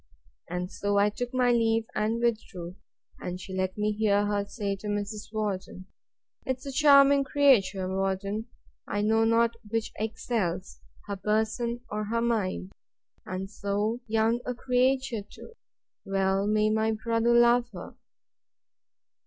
And so I took my leave, and withdrew; and she let me hear her say to Mrs. Worden, 'Tis a charming creature, Worden!—I know not which excels; her person, or her mind!—And so young a creature too!—Well may my brother love her!